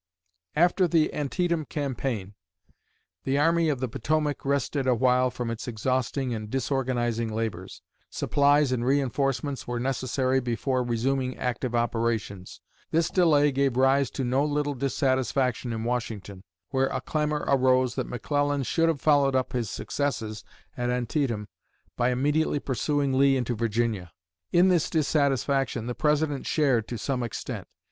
After the Antietam campaign, the Army of the Potomac rested awhile from its exhausting and disorganizing labors. Supplies and reinforcements were necessary before resuming active operations. This delay gave rise to no little dissatisfaction in Washington, where a clamor arose that McClellan should have followed up his successes at Antietam by immediately pursuing Lee into Virginia. In this dissatisfaction the President shared to some extent.